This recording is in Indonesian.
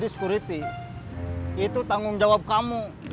jadi security itu tanggung jawab kamu